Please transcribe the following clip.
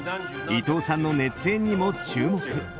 いとうさんの熱演にも注目。